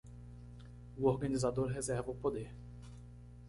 O organizador reserva o poder